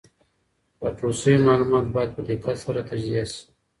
راټول سوي معلومات باید په دقت سره تجزیه سي.